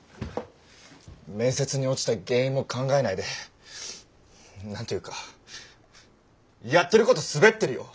面接に落ちた原因も考えないで何ていうかやってることスベってるよ。